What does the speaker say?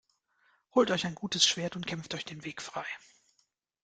Holt euch ein gutes Schwert und kämpft euch den Weg frei!